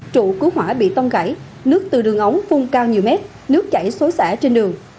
trụ cứu hỏa bị tông gãy nước từ đường ống phun cao nhiều mét nước chảy xối xả trên đường